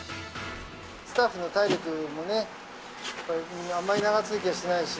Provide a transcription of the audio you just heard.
スタッフの体力もね、あまり長続きはしないし。